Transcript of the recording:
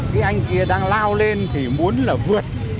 cái anh kia đang lao lên thì muốn là vượt